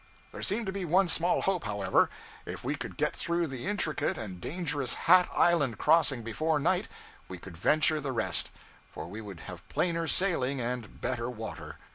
There seemed to be one small hope, however: if we could get through the intricate and dangerous Hat Island crossing before night, we could venture the rest, for we would have plainer sailing and better water.